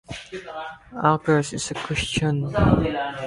Akers is a Christian.